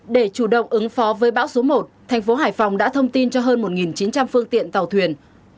để chủ động ứng phó với bão số một thành phố hải phòng đã thông tin cho hơn một chín trăm linh phương tiện tàu thuyền